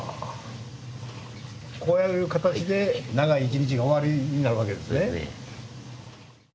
こうやる形で長い１日が終わりになるわけですね。